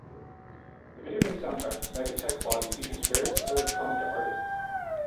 The video game's soundtrack "Megatech Body" features various electronica artists.